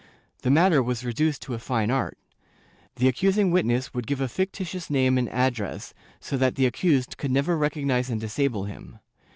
The matter was reduced to a fine art. The accusing witness would give a fictitious name and ad dress, so that the accused could never recognize and disable him.